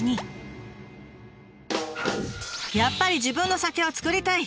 「やっぱり自分の酒を造りたい！」。